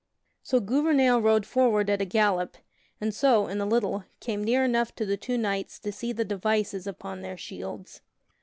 So Gouvernail rode forward at a gallop, and so, in a little, came near enough to the two knights to see the devices upon their shields.